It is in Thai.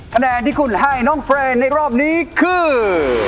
ขนาดที่คุณให้น้องเฟรนด์ในรอบนี้คือ